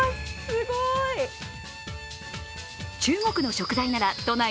すごい。中国の食材なら都内